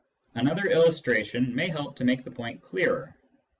Another illustration may help to make the point clearer.